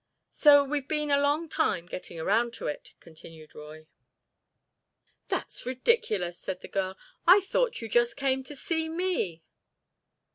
"So we've been a long time getting around to it," continued Roy. "That's ridiculous," said the girl. "I thought you just came to see me."